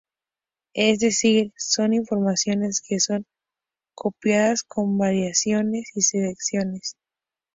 Es decir, son informaciones que son copiadas con variaciones y selecciones.